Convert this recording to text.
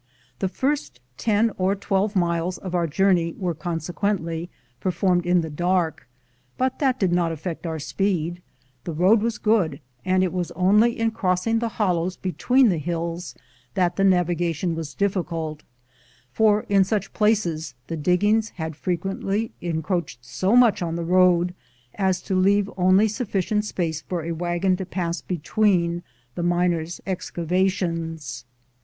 The first ten or twelve miles of our journey were consequently performed in the dark, but that did not affect our speed; the road was good, and it was only in crossing the hollows between the hills that the navigation was difficult; for in such places the diggings had frequently encroached so much on the road as to leave only sufficient space for a wagon to pass be tween the miners' excavations.